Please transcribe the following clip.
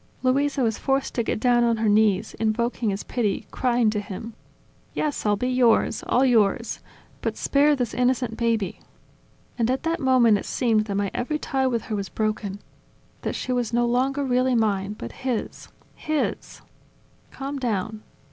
Luisa was forced to get down on her knees, invoking his pity, crying to him: "Yes, I'll be yours, all yours! ... But spare this innocent baby ..." And at that moment it seemed that my every tie with her was broken, that she was no longer really mine, but his, hisV "Calm down!